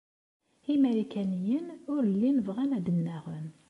Imarikaniyen ur llin bɣan ad nnaɣen.